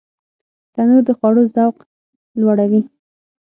تنور د خوړو ذوق لوړوي